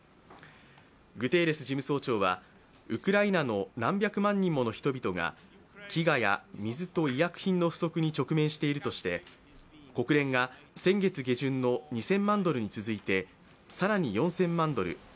グテーレス事務総長はウクライナの何百万人もの人々が飢餓や水と医薬品の不足に直面しているとして国連が先月下旬の２０００万ドルに続いて更に４０００万ドル